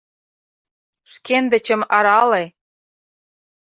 — Шкендычым арале.